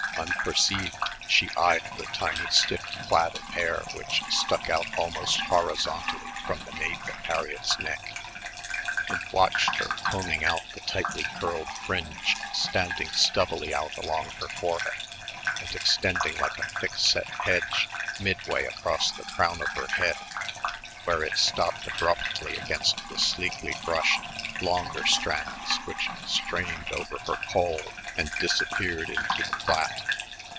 Unperceived, she eyed the tiny stiff plait of hair which stuck out almost horizontally from the nape of Harriett's neck, and watched her combing out the tightly curled fringe standing stubbily out along her forehead and extending like a thickset hedge midway across the crown of her head, where it stopped abruptly against the sleekly brushed longer strands which strained over her poll and disappeared into the plait.